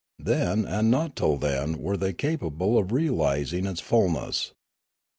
Then and not till then were they capable of realising its fulness.